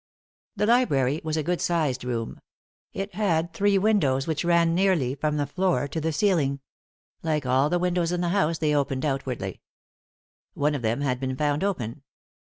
The library was a good sized room. It had three windows, which ran nearly from the floor to the ceiling. Like all the windows in the house, they opened out wardly. One of them had been found open.